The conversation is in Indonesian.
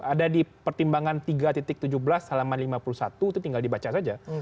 ada di pertimbangan tiga tujuh belas halaman lima puluh satu itu tinggal dibaca saja